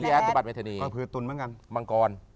และสมบัติเมธานีอ๋อคือตุ๋นเหมือนกันมังกร